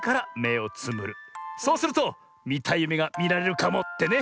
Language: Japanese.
そうするとみたいゆめがみられるかもってね。